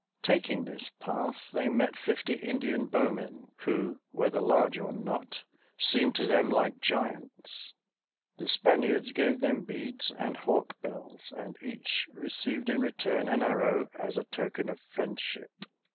Taking this path, they met fifty Indian bowmen, who, whether large or not, seemed to them like giants. The Spaniards gave them beads and hawk bells, and each received in return an arrow, as a token of friendship.